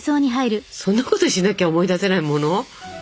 そんなことしなきゃ思い出せないもの？